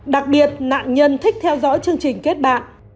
đặc biệt nạn nhân thích theo dõi chương trình kết bạn